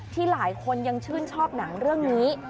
ที่หลายคนยังชื่นชอบหนังเรื่องนี้